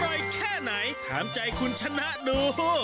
อร่อยแค่ไหนถามใจคุณชนะดู